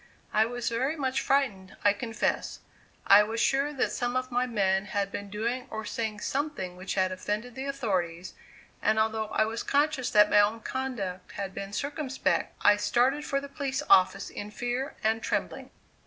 I was very much frightened, I confess; I was sure that some of my men had been doing or saying something which had offended the authorities, and although I was conscious that my own conduct had been circumspect, I started for the police office in fear and trembling.